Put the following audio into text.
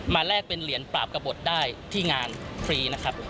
แลกเป็นเหรียญปราบกระบดได้ที่งานฟรีนะครับ